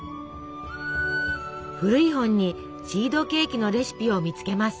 古い本にシードケーキのレシピを見つけます。